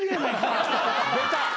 出た。